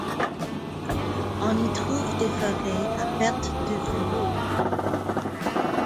On y trouve des forêts à perte de vue.